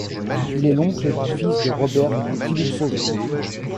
Il est l'oncle du fils de robert, Philippe Sauvé.